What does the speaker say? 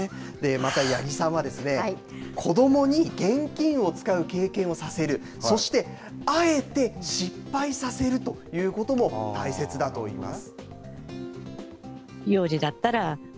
また八木さんは、子どもに現金を使う経験をさせる、そしてあえて失敗させるということも大切だといいます。